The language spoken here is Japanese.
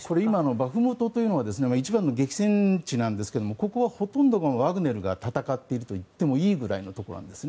バフムトというのは一番の激戦地ですがここはほとんど、ワグネルが戦っているといってもいいくらいの場所なんですね。